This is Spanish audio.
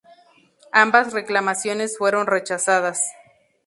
Ambas reclamaciones fueron rechazadas.